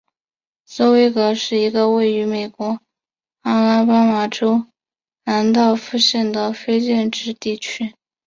斯威格是一个位于美国阿拉巴马州兰道夫县的非建制地区。